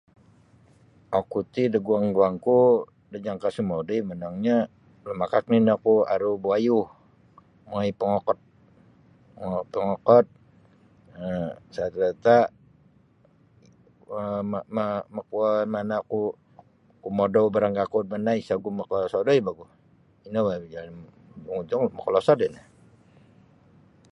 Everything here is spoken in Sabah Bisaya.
Oku ti daguang guangku da jangka' sumodoi monongnyo lumakak nini' oku aru buayu mongoi pongokot mongoi pongokot um sarata' ma ma makuo mana' oku kumodou barang gakud mana' isa' ogu makasodui bogu ino boh jan ujung-ujung makalosod ino.